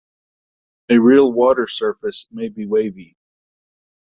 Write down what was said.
A real water surface may be wavy.